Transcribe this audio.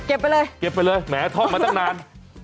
ไปเลยเก็บไปเลยแหมท่องมาตั้งนาน